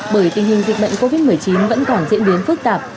bởi tình hình dịch bệnh covid một mươi chín vẫn còn diễn biến phức tạp